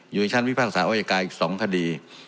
อยู่ในชั้นวิภาคศาสตร์อวัยกายอีก๒คดี